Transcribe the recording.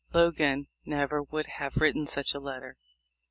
Logan never would have written such a letter.